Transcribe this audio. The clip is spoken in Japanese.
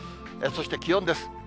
そして気温です。